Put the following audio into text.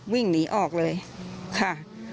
วิ่งหนีออกเลยค่ะ